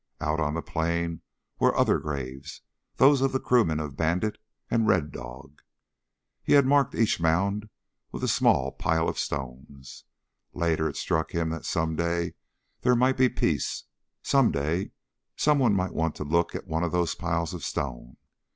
Out on the plain were other graves, those of the crewmen of Bandit and Red Dog. He had marked each mound with a small pile of stones. Later it struck him that someday there might be peace. Someday, someone might want to look at one of those piles of stone.